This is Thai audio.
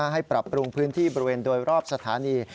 ให้ปรับปรุงพื้นที่บริเวณโดยรอบสถานี